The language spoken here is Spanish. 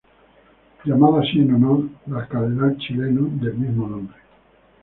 Llamado así en honor al cardenal chileno del mismo nombre.